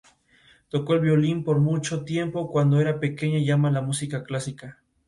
Hasta la actualidad, la banda está trabajando y lanzando covers.